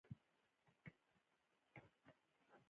آیا ایران د افغانستان لپاره مهم شریک نه دی؟